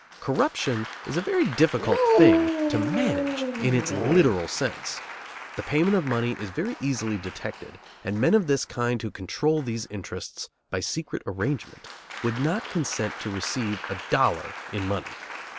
Corruption is a very difficult thing to manage in its literal sense. The payment of money is very easily detected, and men of this kind who control these interests by secret arrangement would not consent to receive a dollar in money.